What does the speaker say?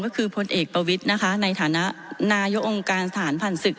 ก็คือพลเอกประวิทย์นะคะในฐานะนายกองค์การสถานผ่านศึก